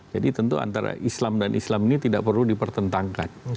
jadi tentu antara islam dan islam ini tidak perlu dipertentangkan